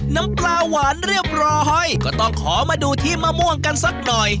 น้ำปลาหวานเรียบร้อยก็ต้องขอมาดูที่มะม่วงกันสักหน่อย